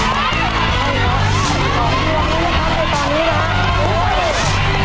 ทั่วแรกเสียอะไร